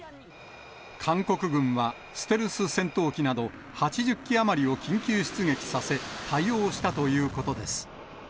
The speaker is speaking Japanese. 韓国軍は、ステルス戦闘機など８０機余りを緊急出撃させ、対応したということです。